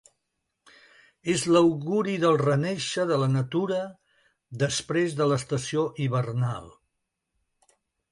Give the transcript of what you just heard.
És l’auguri del renéixer de la natura després de l’estació hivernal.